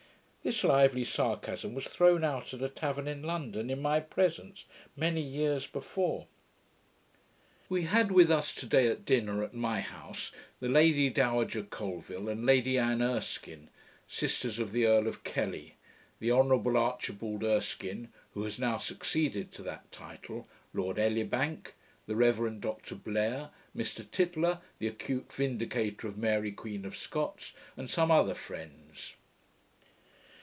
This lively sarcasm was thrown out at a tavern in London, in my presence, many years before. We had with us to day at dinner, at my house, the Lady Dowager Colvill, and Lady Anne Erskine, sisters of the Earl of Kelly; the Honourable Archibald Erskine, who has now succeeded to that title; Lord Elibank; the Reverend Dr Blair; Mr Tytler, the acute vindicator of Mary Queen of Scots, and some other friends.